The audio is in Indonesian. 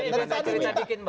dari tadi minta